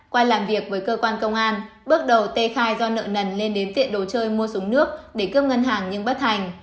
qua làm việc với cơ quan công an bước đầu t khai do nợ nần lên đến tiện đồ chơi mua súng nước để cướp ngân hàng nhưng bất thành